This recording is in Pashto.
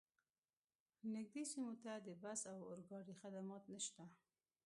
نږدې سیمو ته د بس او اورګاډي خدمات نشته